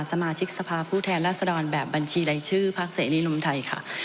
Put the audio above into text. สมาชิกสภาพผู้แทนรัศดรแบบบัญชีรายชื่อภาคเสรีรวมไทยค่ะ